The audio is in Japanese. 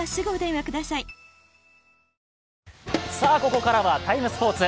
ここからは「ＴＩＭＥ，スポーツ」。